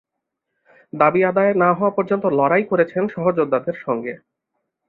দাবি আদায় না হওয়া পর্যন্ত লড়াই করেছেন সহযোদ্ধাদের সঙ্গে।